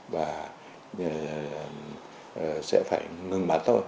và sẽ phải ngừng bắn thôi